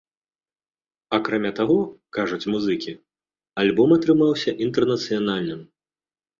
Акрамя таго, кажуць музыкі, альбом атрымаўся інтэрнацыянальным.